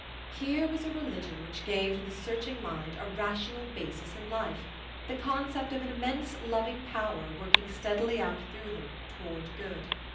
Here was a religion which gave to the searching mind a rational basis in life, the concept of an immense Loving Power working steadily out through them, toward good.